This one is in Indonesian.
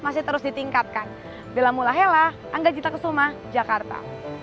masih terus ditingkatkan bila mulai helah angga cita keselamah jakarta